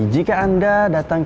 jika anda datang